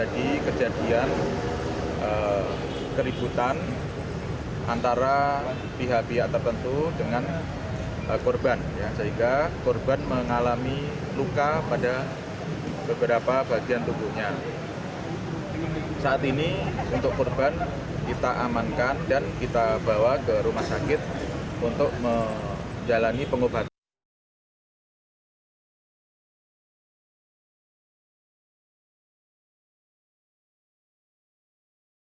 di rumah sakit untuk menjalani pengobatan